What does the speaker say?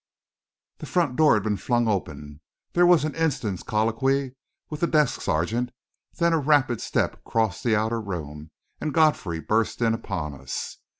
The front door had been flung open; there was an instant's colloquy with the desk sergeant, then a rapid step crossed the outer room, and Godfrey burst in upon us.